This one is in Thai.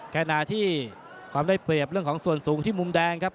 ขณะที่ความได้เปรียบเรื่องของส่วนสูงที่มุมแดงครับ